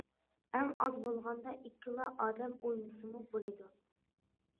ئەڭ ئاز بولغاندا ئىككىلا ئادەم ئوينىسىمۇ بولىدۇ.